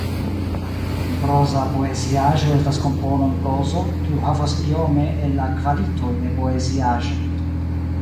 Proza poeziaĵo estas kompono en prozo kiu havas iome el la kvalitoj de poeziaĵo.